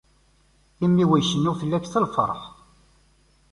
Imi-w icennu fell-ak s lferḥ.